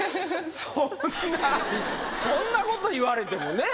そんなそんなこと言われてもね。